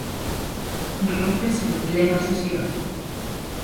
Roces en plena sesión.